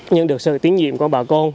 nhưng được sự tín nhiệm của bà con